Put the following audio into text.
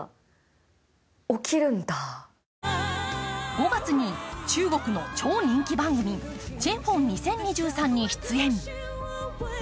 ５月に中国の超人気番組「乗風２０２３」に出演。